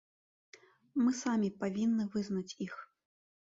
Мы самі павінны вызнаць іх.